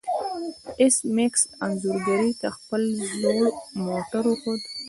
ایس میکس انځورګرې ته خپل زوړ موټر وښود